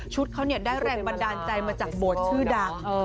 ชุดเขาได้แรงบันดาลใจมาจากบทชื่อดัง